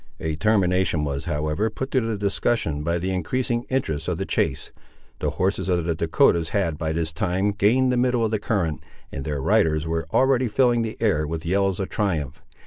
A termination was, however, put to the discussion, by the increasing interest of the chase. The horses of the Dahcotahs had, by this time, gained the middle of the current, and their riders were already filling the air with yells of triumph.